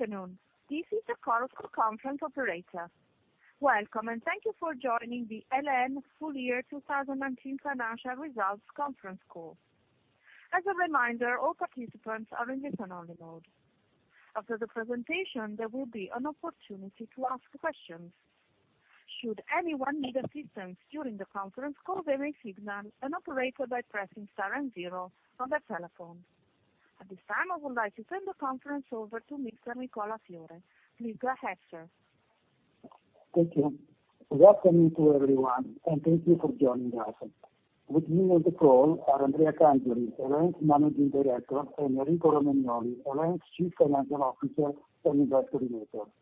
Afternoon. This is the Chorus Call conference operator. Welcome, and thank you for joining the El.En. full year 2019 financial results conference call. As a reminder, all participants are in listen-only mode. After the presentation, there will be an opportunity to ask questions. Should anyone need assistance during the conference call, they may signal an operator by pressing star and zero on their telephone. At this time, I would like to turn the conference over to Mr. Nicola Fiore. Please go ahead, sir. Thank you. Welcome to everyone and thank you for joining us. With me on the call are Andrea Cangioli, EL.En.'s Managing Director, and Enrico Romagnoli, EL.En.'s Chief Financial Officer and Investor Relations.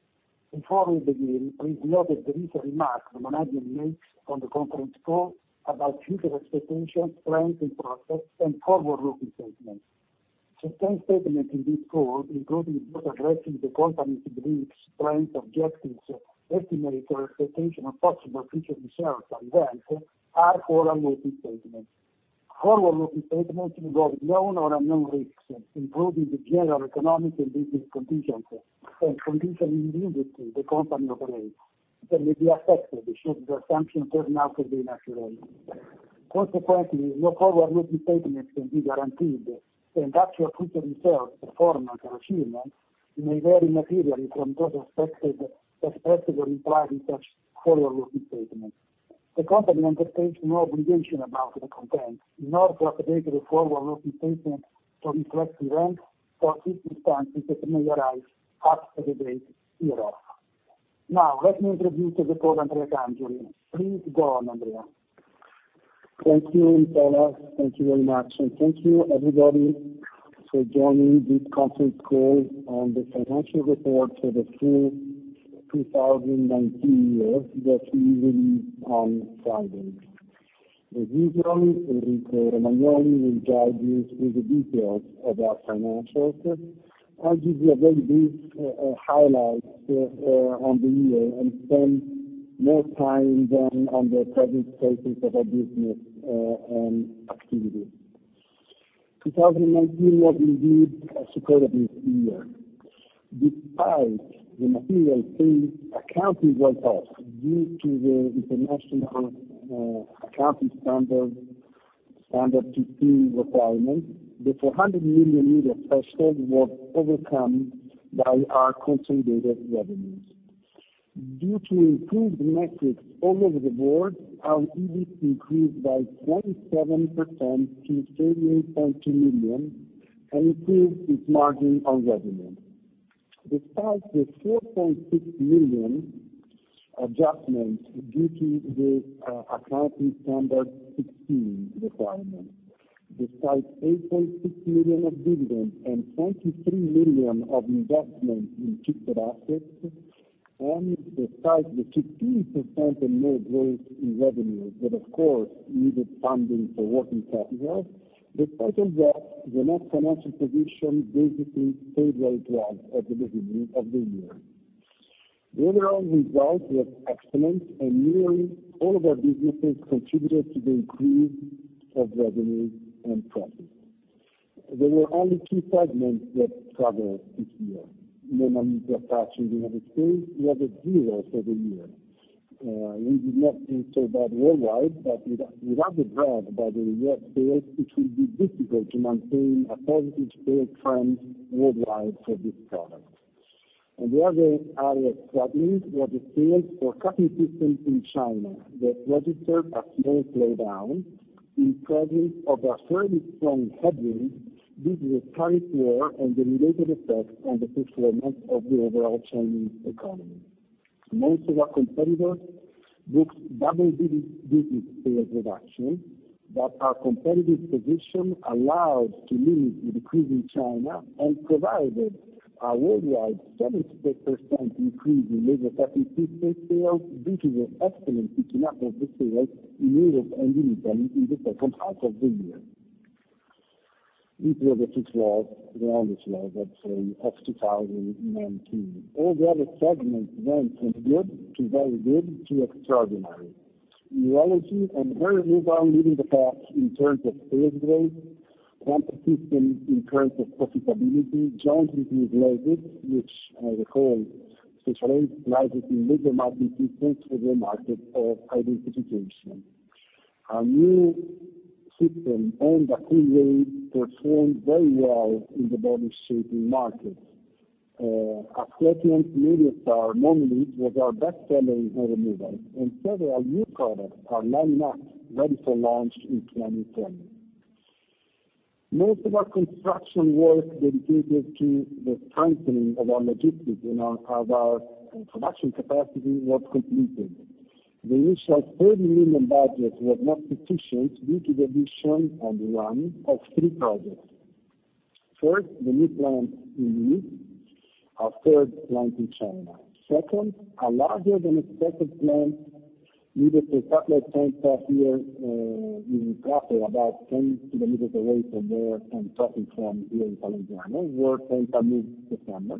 Before we begin, please note that there is a remark the management makes on the conference call about future expectations, trends, and process, and forward-looking statements. Certain statements in this call, including those addressing the company's beliefs, trends, objectives, estimates, or expectations of possible future results and events, are forward-looking statements. Forward-looking statements involve known or unknown risks, including the general economic and business conditions and conditions in the industry the company operates, that may be affected should the assumptions turn out to be inaccurate. Consequently, no forward-looking statements can be guaranteed, and actual future results, performance, or achievements may vary materially from those expressed or implied in such forward-looking statements. The company undertakes no obligation about the content nor to update the forward-looking statements to reflect events or circumstances that may arise after the date hereof. Let me introduce the call, Andrea Cangioli. Please go on, Andrea. Thank you, Nicola. Thank you very much. Thank you, everybody, for joining this conference call on the financial report for the full 2019 year that we released on Friday. As usual, Enrico Romagnoli will guide you through the details of our financials. I'll give you a very brief highlight on the year and spend more time then on the current status of our business and activity. 2019 was indeed a superb year. Despite the material sales accounting write-off due to the International Financial Reporting Standard 16 requirements, the 400 million euros threshold was overcome by our consolidated revenues. Due to improved metrics all over the board, our EBIT increased by 27% to 38.2 million and improved its margin on revenue. Despite the 4.6 million adjustment due to the IFRS 16 requirement, despite 8.6 million of dividends and 23 million of investment in fixed assets, and despite the 15% and more growth in revenue that, of course, needed funding for working capital, despite all that, the net financial position basically stayed where it was at the beginning of the year. The overall results were excellent, and nearly all of our businesses contributed to the increase of revenue and profit. There were only two segments that struggled this year. Nanometer patching in the United States was at zero for the year. We did not do so bad worldwide, but without the drive by the U.S. sales, it will be difficult to maintain a positive trend worldwide for this product. The other area struggling was the sales for cutting systems in China that registered a small slowdown in presence of a fairly strong headwind due to the tariff war and the related effect on the performance of the overall Chinese economy. Most of our competitors booked double-digit sales reduction, but our competitive position allowed to limit the decrease in China and provided a worldwide 7% increase in laser cutting system sales due to the excellent picking up of the sales in Europe and in Italy in the H2 of the year. It was a six-month close of 2019. All the other segments went from good to very good to extraordinary. Urology and hair removal leading the pack in terms of sales growth, Quanta System in terms of profitability, jointly with Lasit, which I recall specialize largely in laser marking systems for the market of identification. Our new system, Onda Coolwaves, performed very well in the body shaping market. Our treatment, Motus AY, was our best seller in hair removal. Several new products are lined up ready for launch in 2020. Most of our construction work dedicated to the strengthening of our logistics and our production capacity was completed. The initial 30 million budget was not sufficient due to the addition on the run of three projects. First, the new plant in Linyi, our third plant in China. Second, a larger than expected plant needed for Cutlite Penta here in Prato, about 10 km away from where I'm talking from here in Calenzano, was Penta mid-December.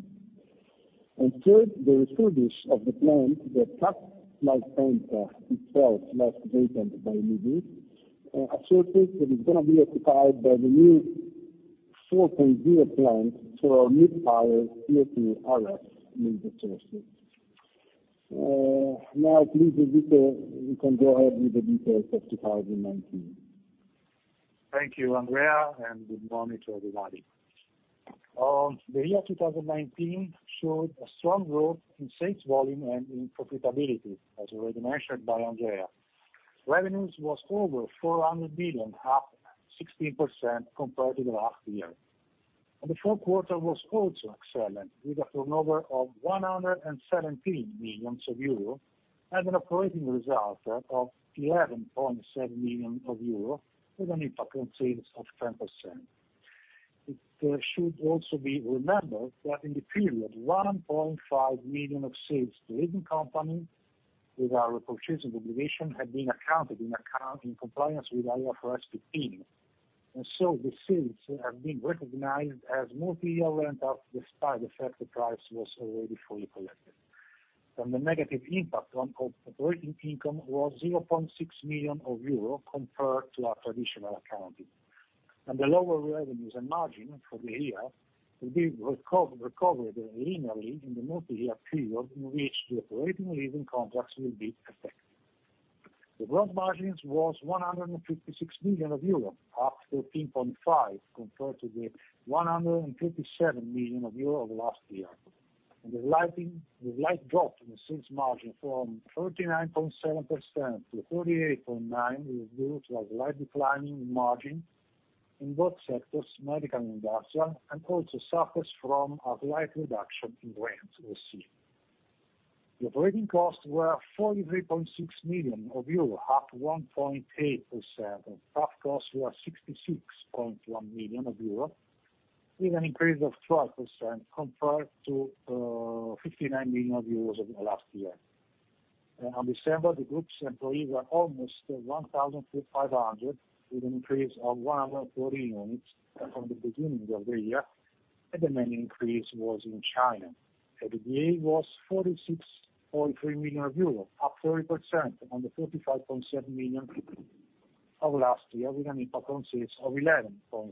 Third, the refurbish of the plant that Cutlite Penta itself left vacant by leaving. A surface that is going to be occupied by the new 4.0 plant for our new power, making RS in the surface. Please, Enrico, you can go ahead with the details of 2019. Thank you, Andrea. Good morning to everybody. The year 2019 showed a strong growth in sales volume and in profitability, as already mentioned by Andrea. Revenues were over 400 million, up 16% compared to the last year. The Q4 was also excellent, with a turnover of 117 million euro and an operating result of 11.7 million euro, with an impact on sales of 10%. It should also be remembered that in the period, 1.5 million of sales to leading company with our repurchase obligation had been accounted in compliance with IFRS 15. The sales have been recognized as multi-year rent despite the fact the price was already fully collected. The negative impact on operating income was 0.6 million euro compared to our traditional accounting. The lower revenues and margin for the year will be recovered linearly in the multi-year period in which the operating leasing contracts will be affected. The gross margins were 156 million euro, up 13.5% compared to the 157 million euro of last year. The light drops in the sales margin from 39.7%-38.9% was due to a slight decline in margin in both sectors, medical and industrial, and also suffers from a slight reduction in rent we see. The operating costs were 43.6 million euro, up 1.8%. Staff costs were 66.1 million euro, with an increase of 12% compared to 59 million euros of last year. On December, the group's employees were almost 1,500, with an increase of 140 units from the beginning of the year, and the main increase was in China. EBITDA was 46.3 million euros, up 40% on the 35.7 million of last year, with an impact on sales of 11.6%.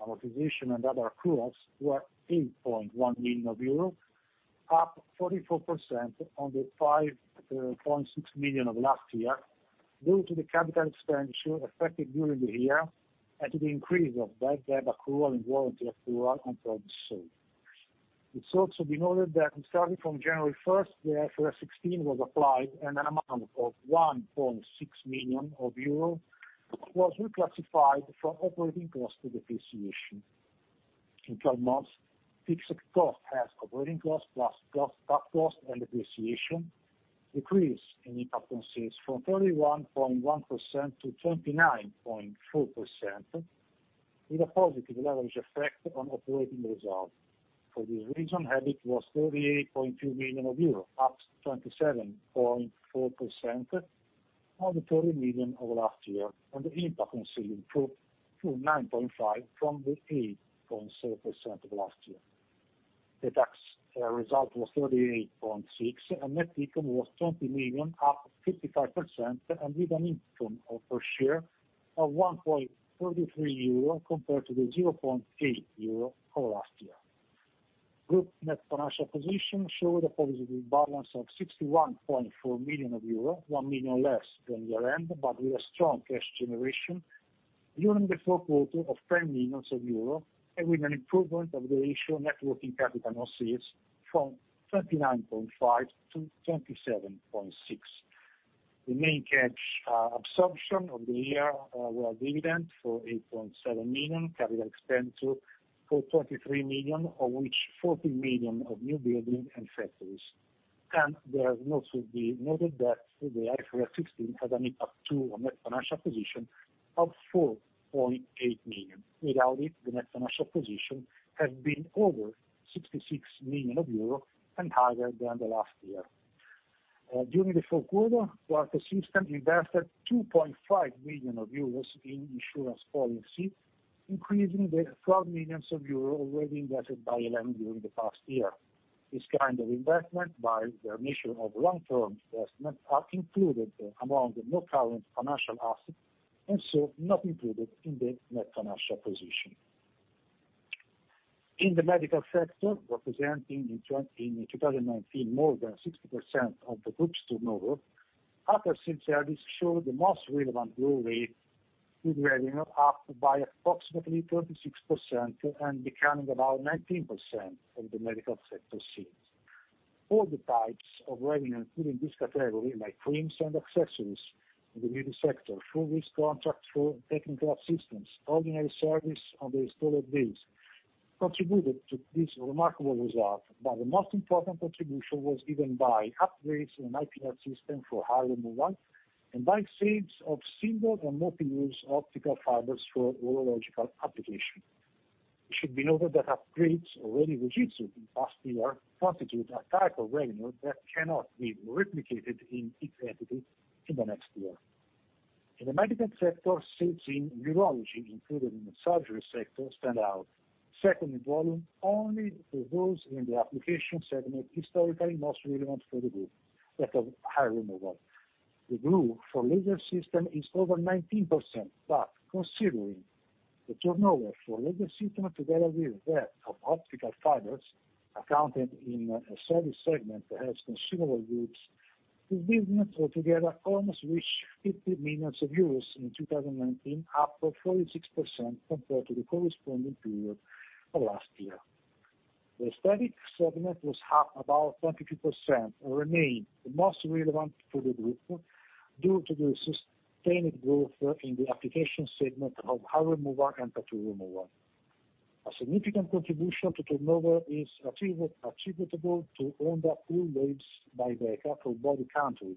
Amortization and other accruals were 8.1 million euro, up 44% on the 5.6 million of last year, due to the capital expenditure affected during the year and to the increase of bad debt accrual and warranty accrual on products sold. It's also been noted that starting from January 1st, IFRS 16 was applied and an amount of 1.6 million euro was reclassified from operating cost to depreciation. In 12 months, fixed cost as operating cost, plus staff cost and depreciation, decreased in impact on sales from 31.1%-29.4%, with a positive leverage effect on operating results. For this reason, EBIT was 38.2 million euros, up 27.4% on the 30 million of last year. The impact on sales improved to 9.5% from the 8.7% of last year. The tax result was 38.6. Net income was 20 million, up 55%. With an income per share of 1.33 euro compared to the 0.8 euro of last year. Group net financial position showed a positive balance of 61.4 million euros, euros one million less than the EL.En. With a strong cash generation during the fourth quarter of 10 million euro. With an improvement of the ratio net working capital on sales from 39.5%-27.6%. The main cash absorption of the year were dividend for 8.7 million, capital expenditure for 23 million, of which 14 million of new building and factories. It has also been noted that the IFRS 16 had an impact, too, on net financial position of 4.8 million. Without it, the net financial position has been over 66 million euro and higher than the last year. During the fourth quarter, Quanta System invested 2.5 million euros in insurance policy, increasing the 4 million euros already invested by EL.En. during the past year. This kind of investment, by their nature of long-term investment, are included among the non-current financial assets, and so not included in the net financial position. In the medical sector, representing in 2019 more than 60% of the group's turnover, aftersales service showed the most relevant growth rate, with revenue up by approximately 36% and becoming about 19% of the medical sector sales. All the types of revenue included in this category, like frames and accessories in the beauty sector, service contract for technical assistance, ordinary service on the installed base, contributed to this remarkable result. The most important contribution was given by upgrades in IPL system for hair removal and by sales of single and multi-use optical fibers for urological applications. It should be noted that upgrades already registered in past years constitute a type of revenue that cannot be replicated in its entirety in the next year. In the medical sector, sales in urology, included in the surgery sector, stand out. Second in volume, only to those in the application segment historically most relevant for the group, that of hair removal. The group for laser system is over 19%. Considering the turnover for laser system together with that of optical fibers, accounted in a service segment that has consumable groups, the business altogether almost reached 50 million euros in 2019, up of 46% compared to the corresponding period of last year. The aesthetic segment was up about 22% and remains the most relevant for the group due to the sustained growth in the application segment of hair removal and tattoo removal. A significant contribution to turnover is attributable to Onda Coolwaves by Deka for body contouring,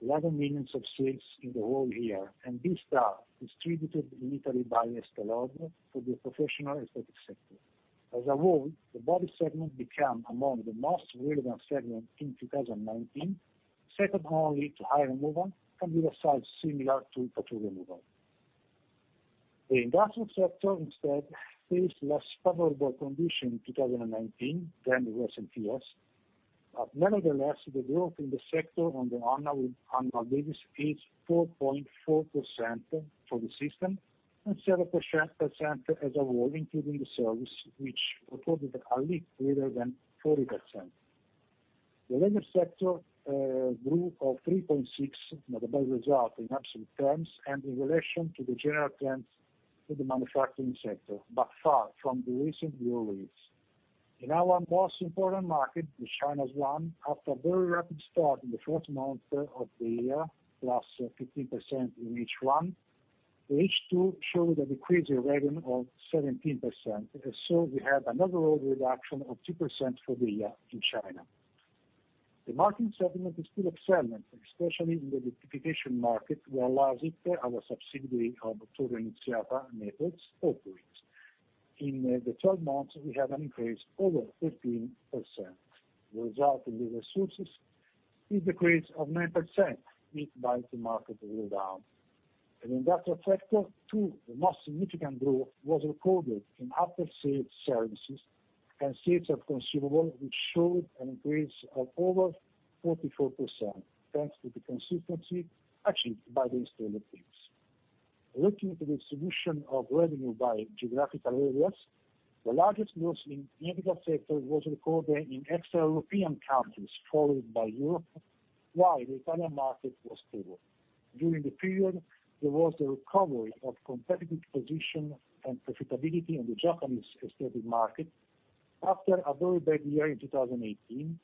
11 million of sales in the whole year, and V-STAR, distributed in Italy by Esthelogue for the professional aesthetic sector. As a whole, the body segment became among the most relevant segment in 2019, second only to hair removal, and with a size similar to tattoo removal. The industrial sector, instead, faced less favorable conditions in 2019 than it was in previous, nevertheless, the growth in the sector on the annual basis is 4.4% for the system and 7% as a whole, including the service, which recorded a leap greater than 40%. The laser sector grew of 3.6%, not a bad result in absolute terms and in relation to the general trends for the manufacturing sector, but far from the recent growth rates. In our most important market, the China one, after a very rapid start in the first month of the year, plus 15% in H1, the H2 showed a decrease in revenue of 17%, so we had a net reduction of 2% for the year in China. The marking segment is still excellent, especially in the identification market, where Lasit, our subsidiary of Torino Iniziative Methods operates. In the 12 months, we had an increase over 13%. The result in the resources is decrease of 9%, hit by the market slowdown. In the industrial sector, too, the most significant growth was recorded in after-sales services and sales of consumables, which showed an increase of over 44%, thanks to the consistency achieved by the installed base. Looking at the distribution of revenue by geographical areas, the largest growth in medical sector was recorded in extra-European countries, followed by Europe, while the Italian market was stable. During the period, there was the recovery of competitive position and profitability in the Japanese aesthetic market after a very bad year in 2018,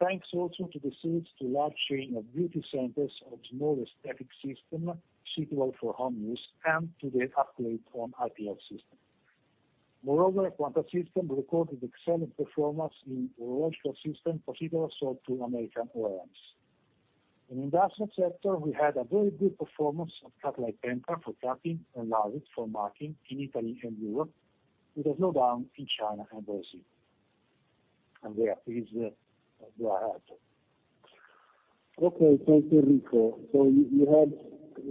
thanks also to the sales to large chain of beauty centers of small aesthetic system, suitable for home use, and to the upgrade from IPL system. Moreover, El.En. System recorded excellent performance in urological system, particularly sold to American OEMs. In industrial sector, we had a very good performance of Cutlite Penta for cutting and Lasit for marking in Italy and Europe, with a slowdown in China and Brazil. There is the slide. Thank you, Enrico. You had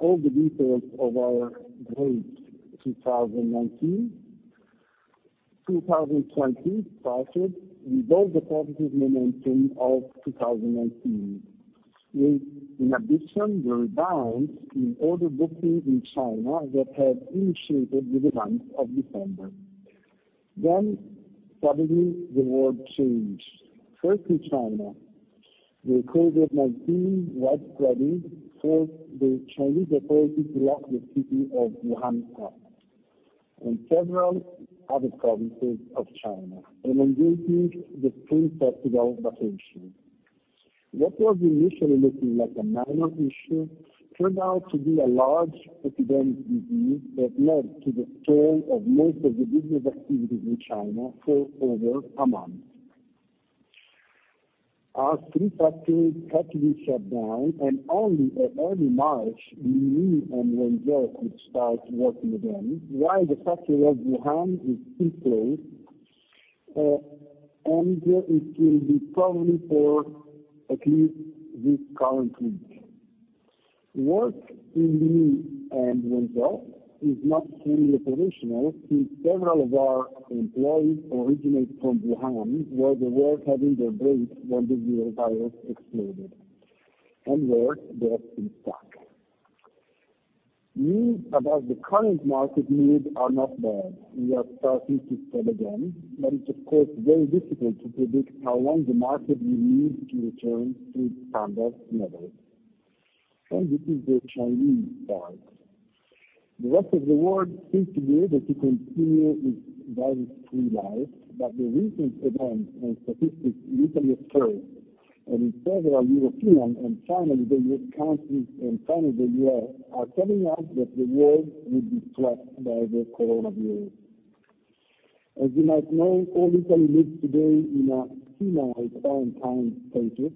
all the details of our great 2019. 2020 started with all the positive momentum of 2019. In addition, the rebound in order bookings in China that had initiated with the month of December. Suddenly, the world changed. First, in China, the COVID-19 widespread forced the Chinese authorities to lock the city of Wuhan up and several other provinces of China, eliminating the spring festival vacation. What was initially looking like a minor issue turned out to be a large epidemic disease that led to the stall of most of the business activities in China for over a month. Our three factories had to be shut down, and only at early March, Linyi and Wenzhou could start working again, while the factory of Wuhan is still closed, and it will be probably for at least this current week. Work in Linyi and Wenzhou is not fully operational since several of our employees originate from Wuhan, where they were having their break when the virus exploded, and where they have been stuck. News about the current market mood are not bad. It's of course, very difficult to predict how long the market will need to return to its standard levels. This is the Chinese part. The rest of the world seems to be able to continue its virus-free life, the recent events and statistics literally say that in several European countries and finally the U.S. are turning out that the world will be swept by the coronavirus. As you might know, all Italy lives today in a semi-quarantine status.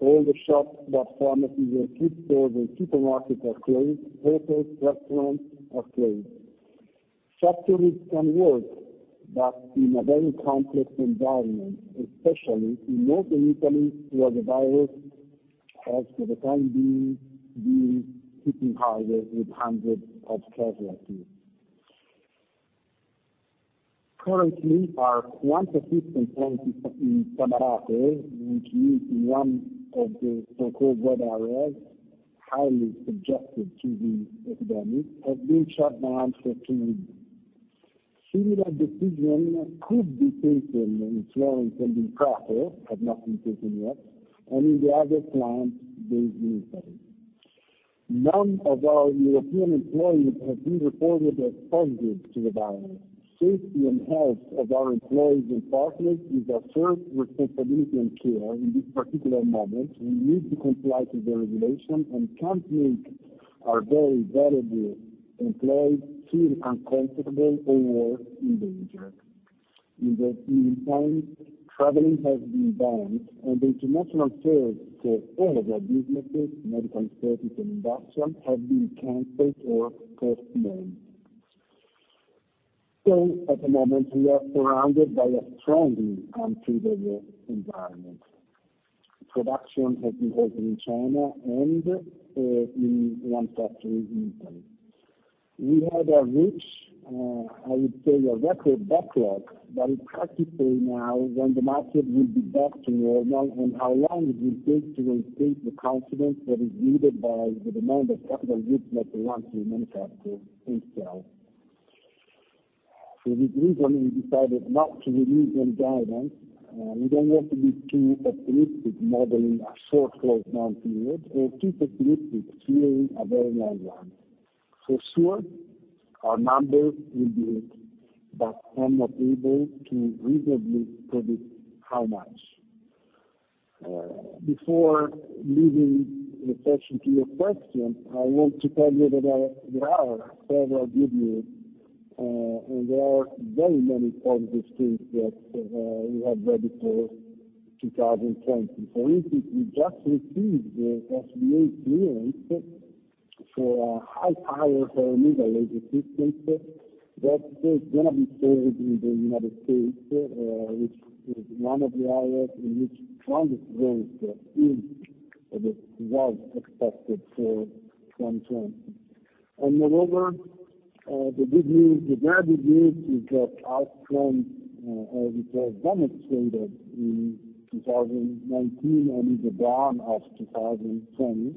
All the shops, but pharmacies and food stores and supermarkets are closed. Hotels, restaurants are closed. Factories can work. In a very complex environment, especially in northern Italy, where the virus is hitting harder with hundreds of casualties. Currently, our plant in Samarate, which is one of the so-called red areas, highly subjected to the epidemic, has been shut down for two weeks. Similar decision could be taken in Florence and in Prato, have not been taken yet. In the other plants, there is no study. None of our European employees have been reported as positive to the virus. Safety and health of our employees and partners is our first responsibility and care in this particular moment. We need to comply to the regulation and can't make our very valuable employees feel uncomfortable or in danger. In the meantime, traveling has been banned and the international fairs for all of our businesses, medical, aesthetic, and industrial, have been canceled or postponed. At the moment, we are surrounded by a strongly unfavorable environment. Production has been halted in China and in one factory in Italy. We had a rich, I would say, a record backlog that is practically now when the market will be back to normal and how long it will take to restate the confidence that is needed by the demand of capital goods that we want to manufacture and sell. For this reason, we decided not to release any guidance. We don't want to be too optimistic modeling a short close month period or too pessimistic, creating a very large one. For sure, our numbers will be hit, but I'm not able to reasonably predict how much. Before leaving the session to your question, I want to tell you that there is several good news, and there are very many positive things that we have ready for 2020. For instance, we just received the FDA clearance for our high-power thulium laser systems that is going to be sold in the United States, which is one of the areas in which strongest growth is, or that was expected for 2020. Moreover, the good news, the very good news is that our strength, as it was demonstrated in 2019 and in the dawn of 2020,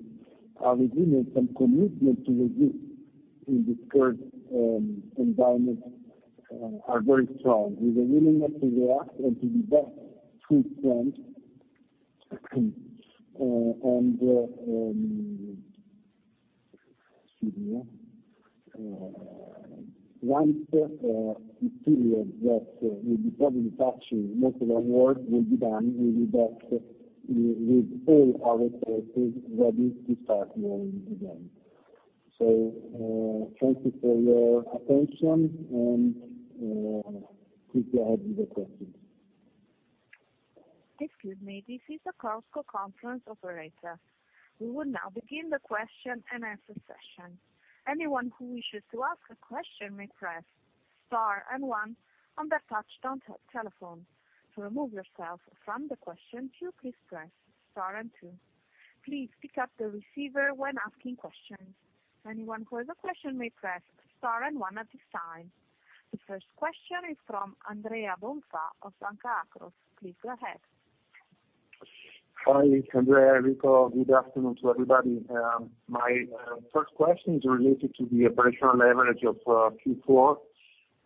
our resilience and commitment to the group in this current environment are very strong. We are willing enough to react and to be back to strength. Excuse me, once this period that will be probably touching most of our world will be done, we'll be back with all our forces ready to start growing again. Thank you for your attention, and please go ahead with the questions. Excuse me. This is the Chorus Call Conference operator. We will now begin the question-and-answer session. Anyone who wishes to ask a question may press Star and One on their touch-tone telephone. To remove yourself from the question queue, please press Star and Two. Please pick up the receiver when asking questions. Anyone who has a question may press Star and One at this time. The first question is from Andrea Bonfà of Banca Akros. Please go ahead. Hi, it's Andrea, Enrico. Good afternoon to everybody. My first question is related to the operational leverage of Q4.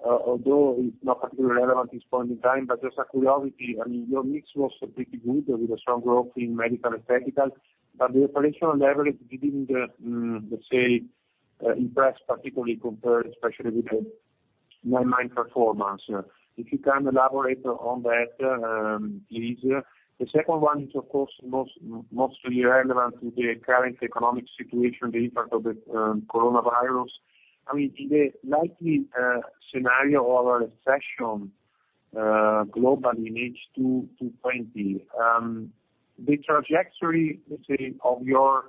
It's not particularly relevant at this point in time, just a curiosity, I mean, your mix was pretty good with a strong growth in medical and technical, the operational leverage didn't, let's say, impress particularly compared, especially with the 9M performance. If you can elaborate on that, please. The second one is, of course, mostly relevant to the current economic situation, the impact of the Coronavirus. I mean, in a likely scenario of a recession globally in H2 2020, the trajectory, let's say, of your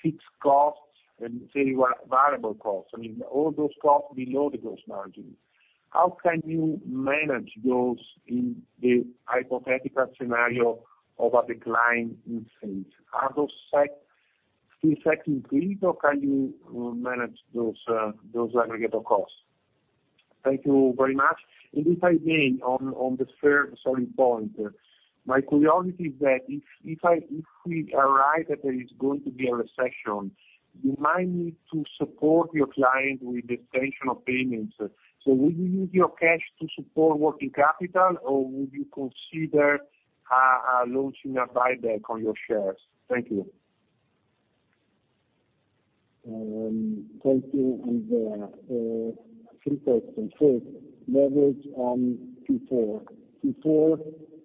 fixed costs and, say, variable costs, I mean, all those costs below the gross margin, how can you manage those in the hypothetical scenario of a decline in sales? Are those fixed increased, or can you manage those aggregate costs? Thank you very much. If I may, on the third, sorry, point. My curiosity is that if we arrive that there is going to be a recession, you might need to support your client with the extension of payments. Would you use your cash to support working capital, or would you consider launching a buyback on your shares? Thank you. Thank you, Andrea. Three questions. First, leverage on Q4. Q4,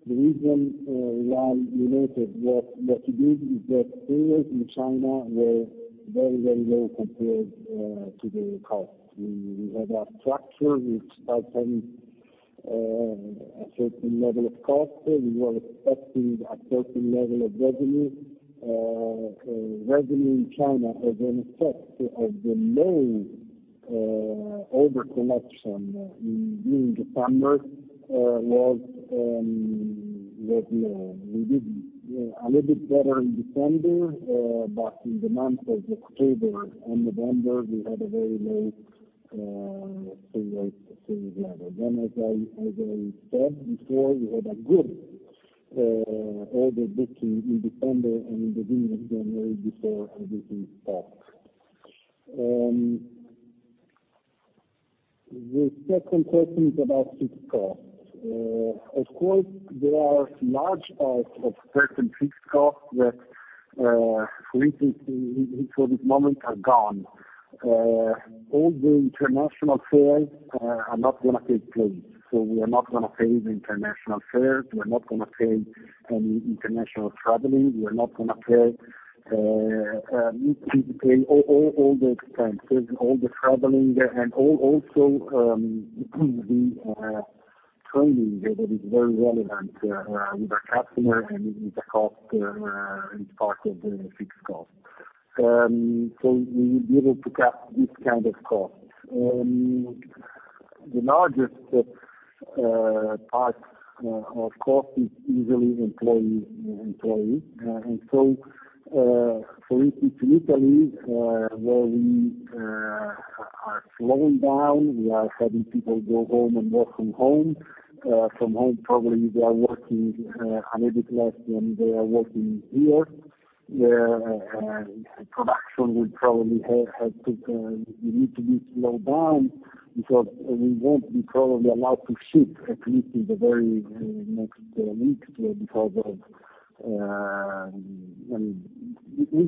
the reason we are limited, what you did is that sales in China were very, very low compared to the cost. We had a structure which starts on a certain level of cost. We were expecting a certain level of revenue. Revenue in China, as an effect of the lowOver collection in September was low. We did a little bit better in December. In the months of October and November, we had a very low sales level. As I said before, we had a good order booking in December and in the beginning of January before everything stopped. The second question is about fixed costs. Of course, there are large parts of certain fixed costs that, for this moment, are gone. All the international fairs are not going to take place. We are not going to pay the international fairs. We're not going to pay any international traveling. We are not going to pay all the expenses, all the traveling, and also the training, that is very relevant with our customer, and it's a cost, it's part of the fixed cost. We will be able to cut this kind of costs. The largest part of cost is usually employee. For Italy, where we are slowing down, we are having people go home and work from home. From home, probably they are working a little bit less than they are working here. Production will probably have to be slowed down because we won't be probably allowed to ship at least in the very next weeks. We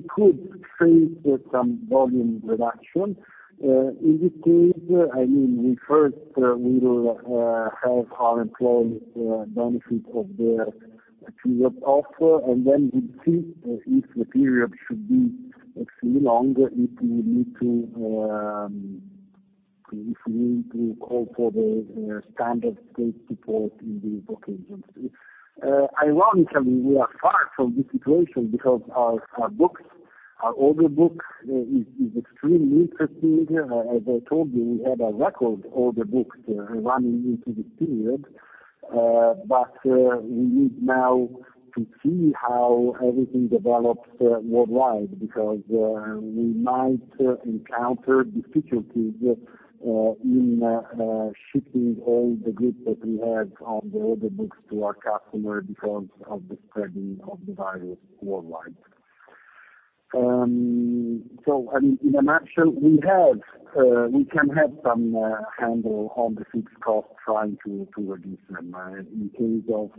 could face some volume reduction. In this case, we first will have our employees benefit of the CIG offer, and then we'll see if the period should be longer, if we need to call for the standard state support in these occasions. Ironically, we are far from this situation because our order book is extremely interesting. As I told you, we had a record order book running into this period. We need now to see how everything develops worldwide, because we might encounter difficulties in shipping all the goods that we have on the order books to our customer because of the spreading of the virus worldwide. In a nutshell, we can have some handle on the fixed costs, trying to reduce them in case of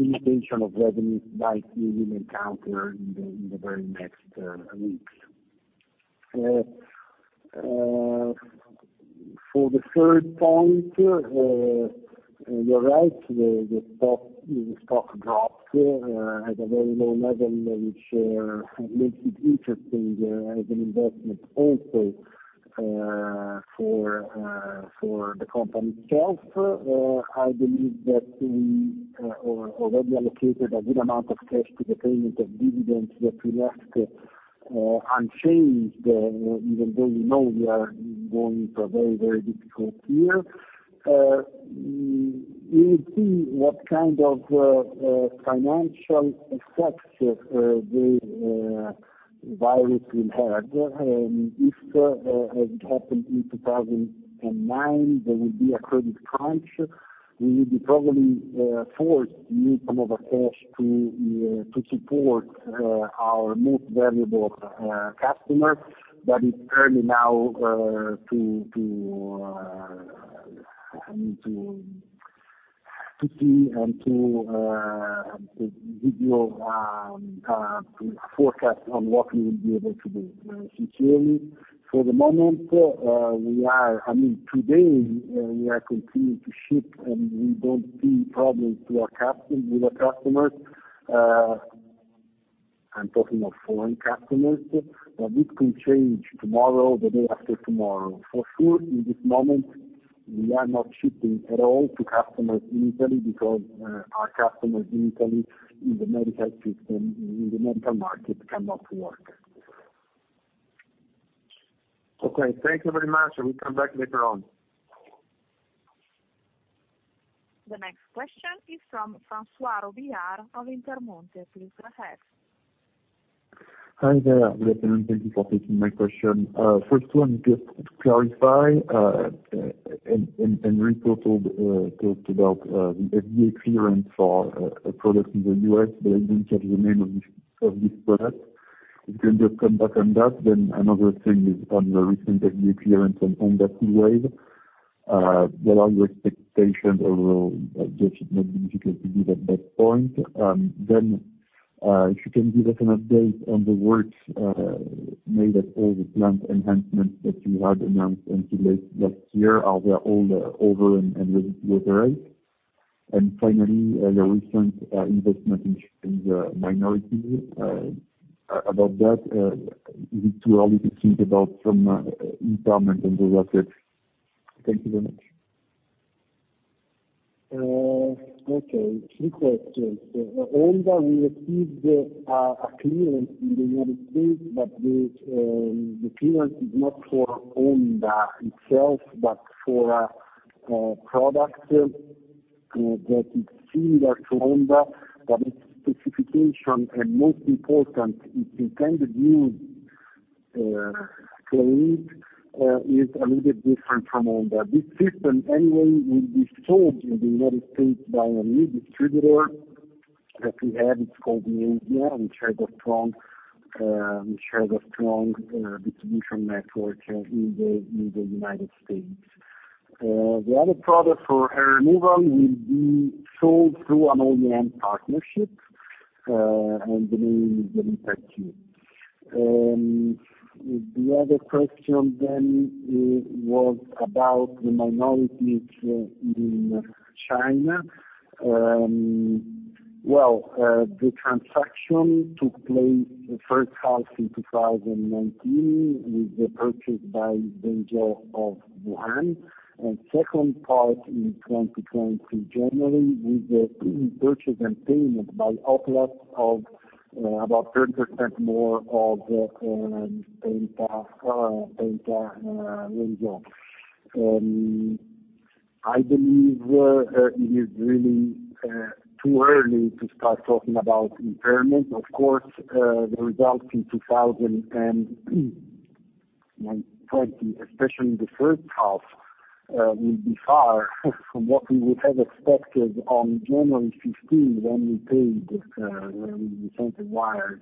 limitation of revenues like we will encounter in the very next weeks. For the third point, you're right, the stock dropped at a very low level, which makes it interesting as an investment also for the company itself. I believe that we already allocated a good amount of cash to the payment of dividends that we left unchanged, even though we know we are going into a very, very difficult year. We will see what kind of financial effects the virus will have. If, as it happened in 2009, there will be a credit crunch, we will be probably forced to use some of our cash to support our most valuable customers. It's early now to see and to give you a forecast on what we will be able to do. Sincerely, for the moment, today, we are continuing to ship, and we don't see problems with our customers. I'm talking of foreign customers. This can change tomorrow, the day after tomorrow. For sure, in this moment, we are not shipping at all to customers in Italy because our customers in Italy, in the medical system, in the medical market, cannot work. Okay, thank you very much. I will come back later on. The next question is from François Robillard of Intermonte. Please go ahead. Hi there. Good afternoon. Thank you for taking my question. First one, just to clarify, Enrico talked about the FDA clearance for a product in the U.S., but I didn't get the name of this product. If you can just come back on that. Another thing is on your recent FDA clearance on Onda, what are your expectations, although that it may be difficult to give at that point? If you can give us an update on the works made at all the plant enhancements that you had announced until late last year. Are they all over and with the rate? Finally, your recent investment in the minority. About that, is it too early to think about some impairment on those assets? Thank you very much. Okay. Three questions. Onda, we received a clearance in the United States, but the clearance is not for Onda itself, but for a product that is similar to Onda, but its specification, and most important, its intended use claim, is a little bit different from Onda. This system, anyway, will be sold in the United States by a new distributor that we have. It is called Neauvia, which has a strong distribution network in the United States. The other product for hair removal will be sold through an OEM partnership, and the name will be revealed to you. The other question was about the minority in China. Well, the transaction took place the H1 in 2019, with the purchase by Zhengzhou of Wuhan, and second part in 2023, January, with the purchase and payment by Ot-las of about 30% more of Penta Zhengzhou. I believe it is really too early to start talking about impairment. Of course, the results in 2020, especially in the H1, will be far from what we would have expected on January 15, when we sent the wire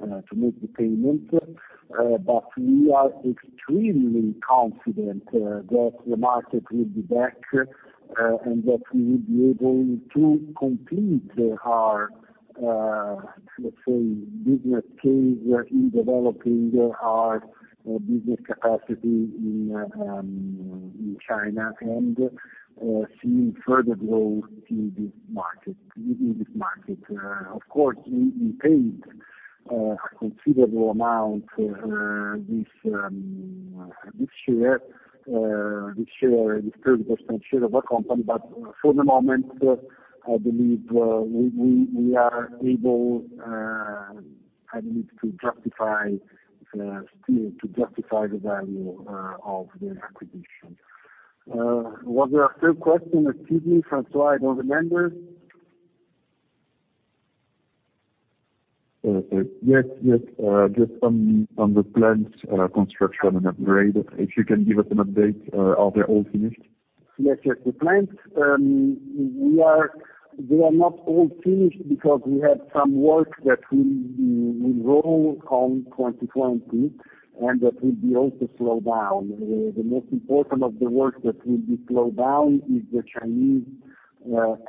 to make the payment. We are extremely confident that the market will be back, and that we will be able to complete our, let's say, business case in developing our business capacity in China and seeing further growth in this market. Of course, we paid a considerable amount, this 30% share of a company. For the moment, I believe we are able, I believe, to justify the value of the acquisition. Was there a third question? Excuse me, François, I don't remember. Yes. Just on the plant construction and upgrade, if you can give us an update. Are they all finished? Yes. The plants, they are not all finished because we had some work that will roll on 2020, and that will be also slowed down. The most important of the work that will be slowed down is the Chinese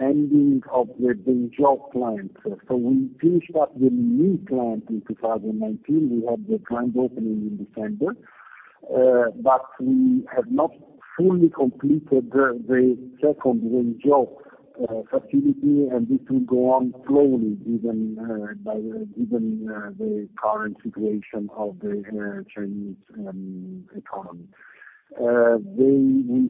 ending of the Zhengzhou plant. We finished up the new plant in 2019. We had the grand opening in December. We have not fully completed the second Zhengzhou facility, and this will go on slowly, given the current situation of the Chinese economy. We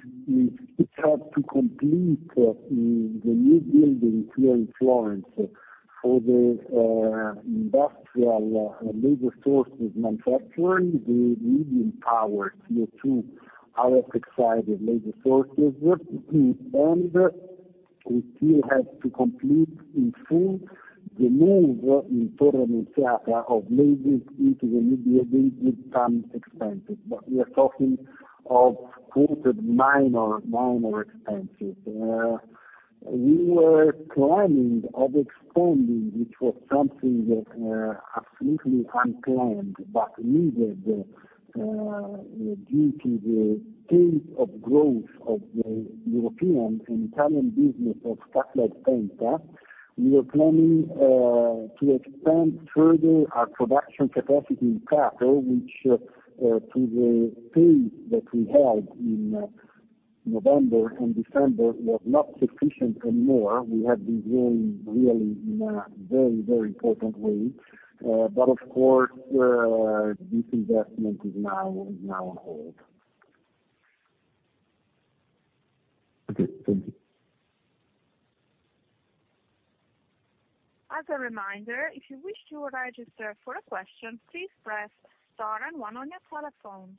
still have to complete the new building here in Florence for the industrial laser sources manufacturing, the medium power CO2, RF excited laser sources. We still have to complete in full the move in Torre Miletta of lasers into the new building with some expenses. We are talking of quoted minor expenses. We were planning of expanding, which was something that absolutely unplanned but needed, due to the pace of growth of the European and Italian business of Cutlite Penta. We were planning to expand further our production capacity in Prato, which to the pace that we had in November and December, was not sufficient anymore. We had been growing really in a very important way. Of course, this investment is now on hold. Okay, thank you. As a reminder, if you wish to register for a question, please press star and one on your telephone.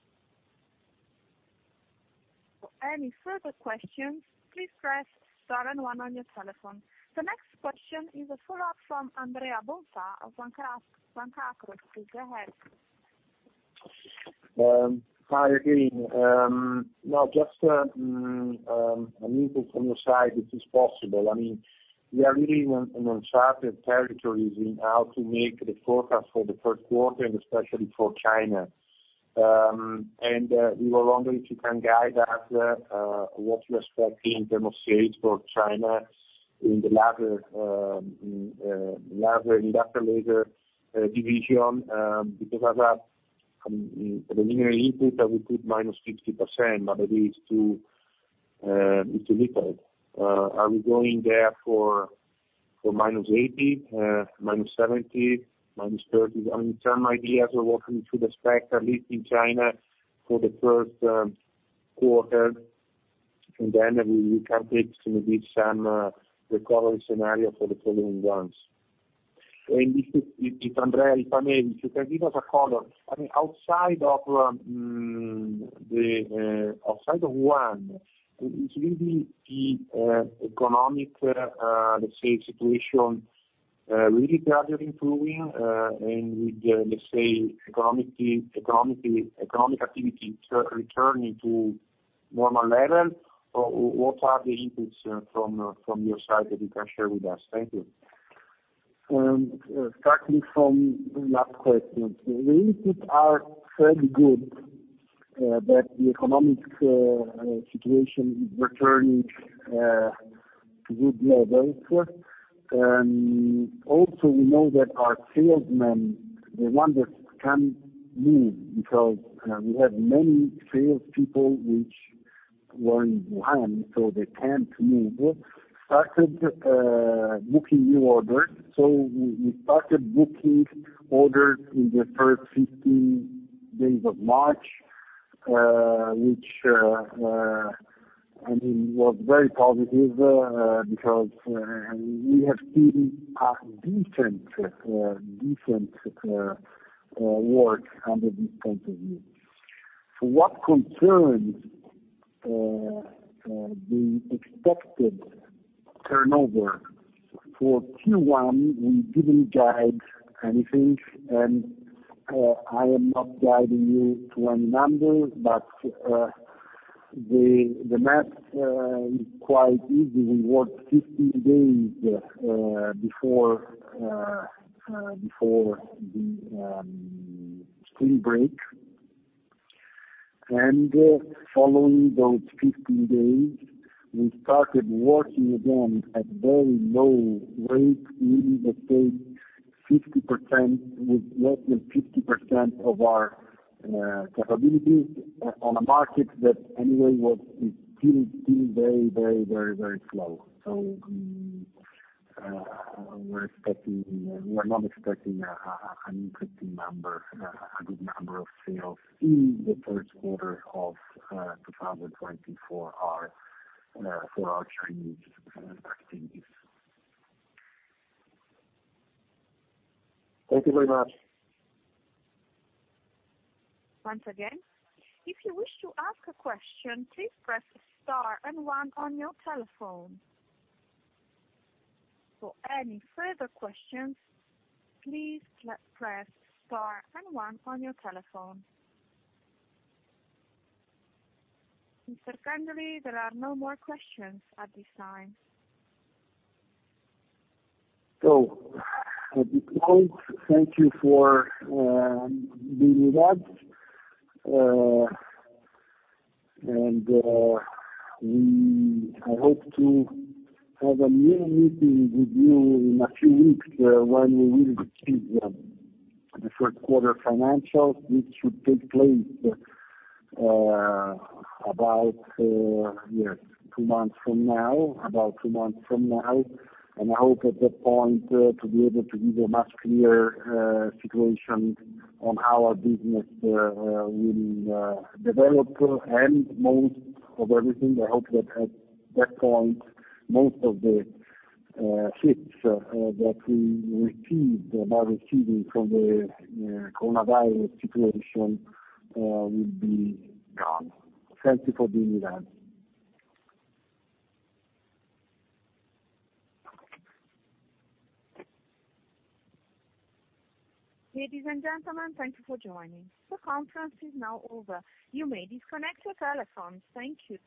For any further questions, please press star and one on your telephone. The next question is a follow-up from Andrea Bonfà of Banca Akros. Please go ahead. Hi again. Just an input from your side, if it is possible. We are really in uncharted territories in how to make the forecast for the Q1 and especially for China. We were wondering if you can guide us, what you're expecting in terms of sales for China in the laser industrial laser division. As a linear input, I would put -50%, but it is too little. Are we going there for -80%, -70%, -30%? Some ideas we're working through the spec, at least in China, for the Q1. Then we can give some recovery scenario for the following ones. If, Andrea, if you can give us a color. Outside of one, is really the economic, let's say, situation really gradually improving? With, let's say, economic activity returning to normal level, or what are the inputs from your side that you can share with us? Thank you. Starting from the last question. The inputs are fairly good that the economic situation is returning to good levels. We know that our salesmen, the ones that can move, because we have many sales people which were in Wuhan, so they can't move, started booking new orders. We started booking orders in the first 15 days of March, which was very positive, because we have seen a decent work under this point of view. For what concerns the expected turnover for Q1, we didn't guide anything, and I am not guiding you to any number, but the math is quite easy. We worked 15 days before the spring break, and following those 15 days, we started working again at very low rate, we will say, 50%, with roughly 50% of our capabilities on a market that anyway is still very slow. We're not expecting an interesting number, a good number of sales in the Q1 of 2024 for our Chinese activities. Thank you very much. Once again, if you wish to ask a question, please press star and one on your telephone. For any further questions, please press star and one on your telephone. Mr. Cangioli, there are no more questions at this time. At this point, thank you for being with us. I hope to have a new meeting with you in a few weeks, when we will see the Q1 financials, which should take place about two months from now. I hope at that point, to be able to give a much clearer situation on how our business will develop. Most of everything, I hope that at that point, most of the hits that we received, are receiving from the coronavirus situation, will be gone. Thank you for being with us. Ladies and gentlemen, thank you for joining. The conference is now over. You may disconnect your telephones. Thank you.